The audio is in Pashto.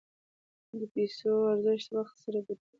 د پیسو ارزښت وخت سره بدلېږي.